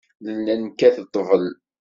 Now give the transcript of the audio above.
Nella nekkat ḍḍbel.